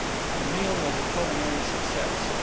The meal was a culinary success.